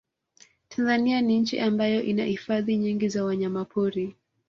Tanzania ni nchi ambayo ina hifadhi nyingi za wanyamapori